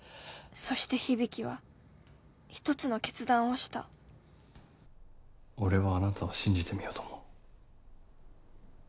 そして響は一つの決断をした俺はあなたを信じてみようと思う。